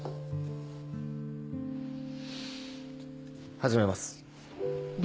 始めます。